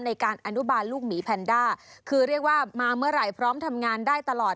ในการอนุบาลลูกหมีแพนด้าคือเรียกว่ามาเมื่อไหร่พร้อมทำงานได้ตลอด